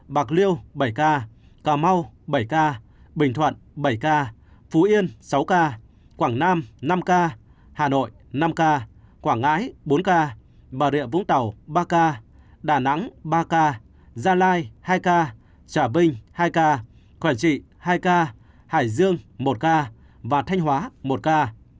bình thuận bảy ca phú yên sáu ca quảng nam năm ca hà nội năm ca quảng ngãi bốn ca bà rịa vũng tàu ba ca đà nẵng ba ca gia lai hai ca trà binh hai ca quảng trị hai ca hải dương một ca và thanh hóa một ca